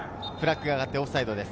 フラッグが上がってオフサイドです。